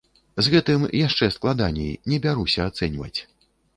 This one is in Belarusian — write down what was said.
З гэтым яшчэ складаней, не бяруся ацэньваць.